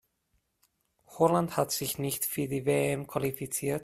Holland hat sich nicht für die WM qualifiziert.